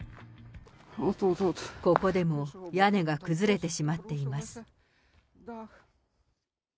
ここでも屋根が崩れてしまっています。